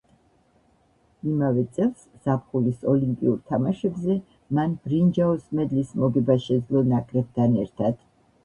იმავე წელს ზაფხულის ოლიმპიურ თამაშებზე მან ბრინჯაოს მედლის მოგება შეძლო ნაკრებთან ერთად.